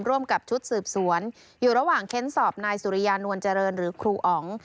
ร่วมกับชุดสืบสวนอยู่ระหว่างเค้นสอบนายสุริยานวลเจริญหรือครูอ๋อง